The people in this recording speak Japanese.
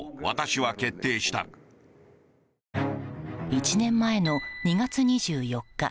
１年前の２月２４日